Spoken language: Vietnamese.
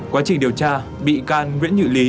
quá trình điều tra bị can nguyễn nhự lý